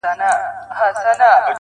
ما يې توبه د کور ومخته په کوڅه کي وکړه,